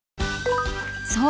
［そう。